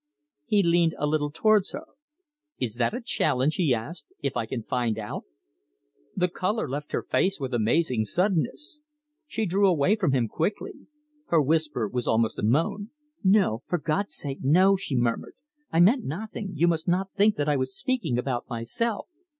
He leaned a little towards her. "Is that a challenge?" he asked, "if I can find out?" The colour left her face with amazing suddenness. She drew away from him quickly. Her whisper was almost a moan. "No! for God's sake, no!" she murmured. "I meant nothing. You must not think that I was speaking about myself."